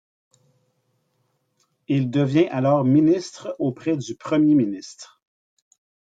Il devient alors ministre auprès du Premier ministre.